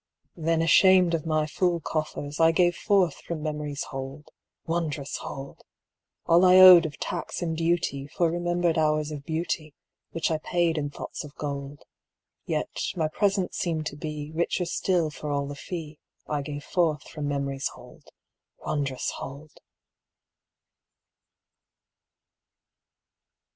Then ashamed of my full coffers, I gave forth from Memory's hold (wondrous hold!) All I owed of tax and duty For remembered hours of beauty, Which I paid in thoughts of gold; Yet my present seemed to be Richer still for all the fee I gave forth from Memory's hold (wondrous hold!).